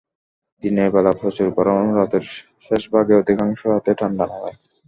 দিনের বেলা প্রচুর গরম এবং রাতের শেষভাগে অধিকাংশ রাতে ঠান্ডা নামে।